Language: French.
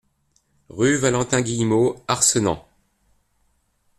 Rue Valentin Guillemot, Arcenant